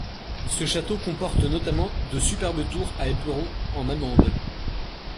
Ce château comporte notamment de superbes tours à éperon en amande.